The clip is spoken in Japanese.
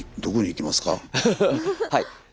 どこに行きますか？